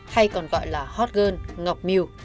hay còn gọi là hot girl ngọc miu